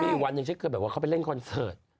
มีอีกวันยังใช้เกิดแบบว่าเขาไปเล่นคอนเสิร์ต